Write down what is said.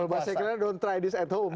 kalau bahasa inggrisnya don't try this at home